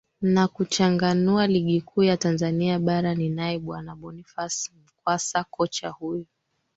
na kuchanganua ligi kuu ya tanzania bara ninaye bwana bonifas mkwasa kocha huyu